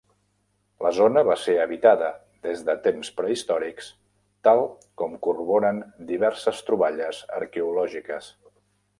La zona va ser habitada des de temps prehistòrics, tal com corroboren diverses troballes arqueològiques.